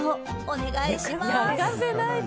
お願いします！